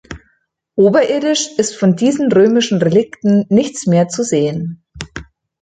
Oberirdisch ist von diesen römischen Relikten nichts mehr zu sehen.